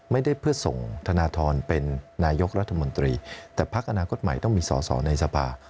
ไม่ได้เพื่อส่งธนทรเป็นนายกรัฐมนตรีแต่พักอนาคตใหม่ต้องมีสอสอในสภา